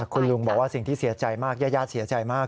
คุณลุงบอกว่าสิ่งที่เสียใจมากญาติเสียใจมาก